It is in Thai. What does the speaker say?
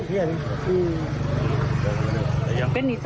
นายพิรายุนั่งอยู่ติดกันแบบนี้นะคะ